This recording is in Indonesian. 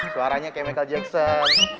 suaranya kayak michael jackson